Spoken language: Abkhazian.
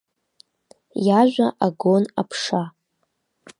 Иажәа агон аԥша.